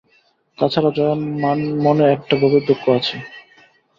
তাছাড়া জয়ার মনে একটা গভীর দুঃখ আছে।